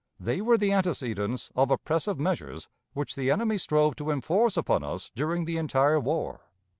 They were the antecedents of oppressive measures which the enemy strove to enforce upon us during the entire war.